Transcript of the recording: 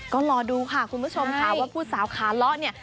ก็รอดูค่ะคุณผู้ชมค่ะว่าผู้สาวขาเลาะเนี่ย